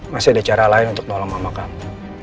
masih ada cara lain untuk nolong mama kamu